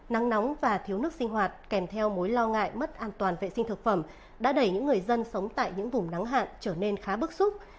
nắng nóng và thiếu nước sinh hoạt kèm theo mối lo ngại mất an toàn vệ sinh thực phẩm đã đẩy những người dân sống tại những vùng nắng hạn trở nên khá bức xúc